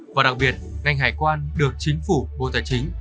và đặc biệt ngành hải quan được chính phủ bộ tài chính